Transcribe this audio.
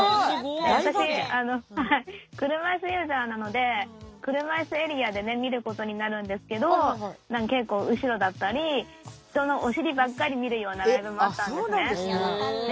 私車いすユーザーなので車いすエリアで見ることになるんですけど結構後ろだったり人のお尻ばっかり見るようなライブもあったんですね。